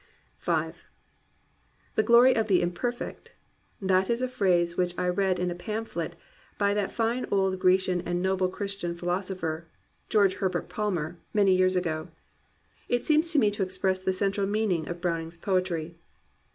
"The Glory of the Imperfect," — that is a phrase which I read in a pamphlet by that fine old Grecian and noble Christian philosopher, George Herbert Palmer, many years ago. It seems to me to express the central meaning of Browning's poetry.